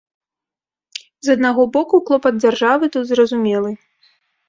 З аднаго боку, клопат дзяржавы тут зразумелы.